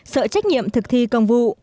sợ trách nhiệm thực thi công vụ